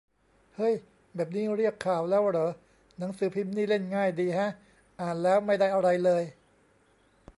เฮ้ย แบบนี้เรียก 'ข่าว' แล้วเหรอ หนังสือพิมพ์นี่เล่นง่ายดีแฮะ อ่านแล้วไม่ได้อะไรเลย